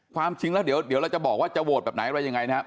ความจริงแล้วเดี๋ยวเราจะบอกว่าจะโหวตแบบไหนอะไรยังไงนะครับ